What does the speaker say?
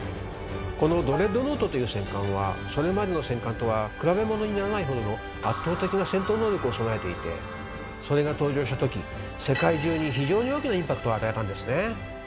このドレッドノートという戦艦はそれまでの戦艦とは比べものにならないほどの圧倒的な戦闘能力を備えていてそれが登場したとき世界中に非常に大きなインパクトを与えたんですね。